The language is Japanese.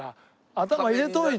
頭入れておいて。